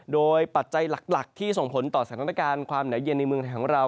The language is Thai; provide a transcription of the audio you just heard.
โดยปัจจัยหลักที่ส่งผลต่อสถานการณ์ความหนาวเย็นในเมืองไทยของเรา